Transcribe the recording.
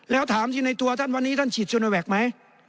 แล้วถามที่ในตัวท่านวันนี้ท่านฉีดโซโนแวคไหม